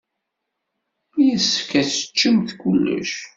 Yessefk ad teččemt kullec!